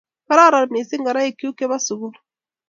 Kororon missing' ngoroik chuk che po sukul